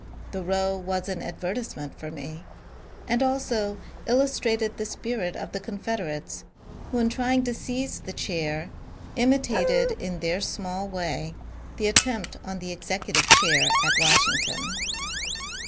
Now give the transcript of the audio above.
The row was an advertise ment for me, and also illustrated the spirit of the Confed erates, who in trying to seize the chair imitated in their small way the attempt on the executive chair at Washington.